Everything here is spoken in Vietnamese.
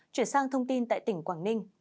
chuyển sang thông tin tại tỉnh quảng ninh